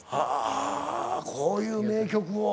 はこういう名曲を。